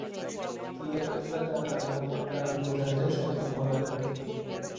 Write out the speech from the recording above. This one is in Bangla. ক্লিওপেট্রা তার আগমনের কারণ বোঝাতে সক্ষম হলেন।